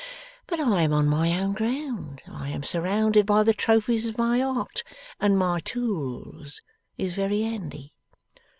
But I am on my own ground, I am surrounded by the trophies of my art, and my tools is very handy.